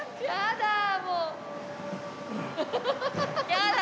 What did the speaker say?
やだ！